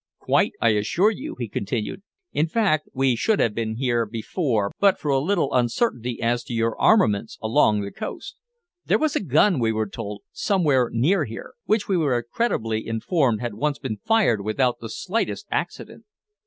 "Quite, I assure you," he continued; "in fact, we should have been here before but for a little uncertainty as to your armaments along the coast. There was a gun, we were told, somewhere near here, which we were credibly informed had once been fired without the slightest accident."